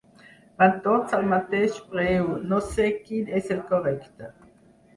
Van tots al mateix preu, no sé quin és el correcte.